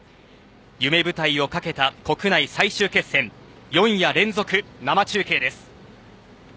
夢舞台を懸けた国内最終決戦４夜連続生中継です。